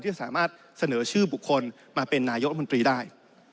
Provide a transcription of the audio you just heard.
จะสามารถเสนอชื่อบุคคลมาเป็นนายกรัฐมนตรีได้